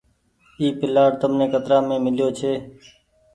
اي پلآٽ تمني ڪترآ مين ميليو ڇي۔